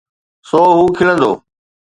سو هو کلندو.